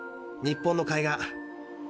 日本の海岸。